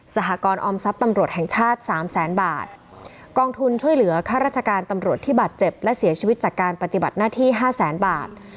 สหกรออมทรัพย์ตำรวจแห่งชาติสามแสนบาทกองทุนช่วยเหลือค่าราชการตำรวจที่บาดเจ็บและเสียชีวิตจากการปฏิบัติหน้าที่ห้าแสนบาท